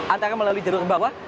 antara melalui jalur bawah